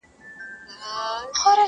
پر ما غټ دي د مُلا اوږده بوټونه..